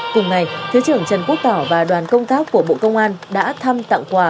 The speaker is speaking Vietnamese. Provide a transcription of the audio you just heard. cùng ngày thứ trưởng trần quốc tỏ và đoàn công tác của bộ công an đã thăm tặng quà